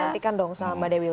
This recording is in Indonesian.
nanti kan dong sama mbak dewiul